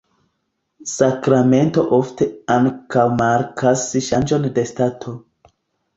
Sakramento ofte ankaŭ markas ŝanĝon de stato.